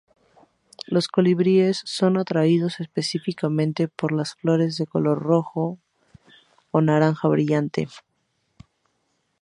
Los colibríes son atraídos especialmente por las flores de color rojo o naranja brillante.